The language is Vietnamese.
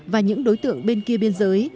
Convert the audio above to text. và những đối tượng bên kia biên giới